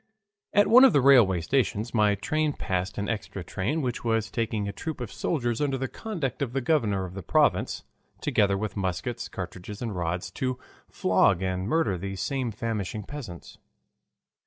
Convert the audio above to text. At one of the railway stations my train passed an extra train which was taking a troop of soldiers under the conduct of the governor of the province, together with muskets, cartridges, and rods, to flog and murder these same famishing peasants.